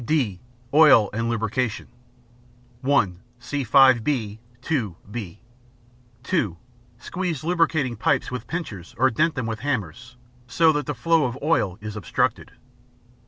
(d) Oil and Lubrication (1) See 5 b. (2) (b). (2) Squeeze lubricating pipes with pincers or dent them with hammers, so that the flow of oil is obstructed.